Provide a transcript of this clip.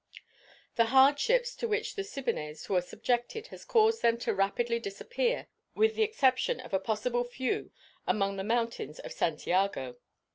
The hardships to which the Siboneyes were subjected has caused them to rapidly disappear, with the exception a possible few among the mountains of Santiago.